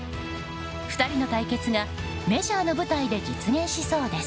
２人の対決がメジャーの舞台で実現しそうです。